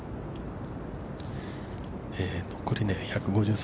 ◆残り１５３。